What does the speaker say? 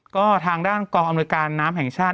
ก็ทางด้านกรองอำนวยการแพงชาติ